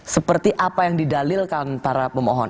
seperti apa yang didalilkan para pemohon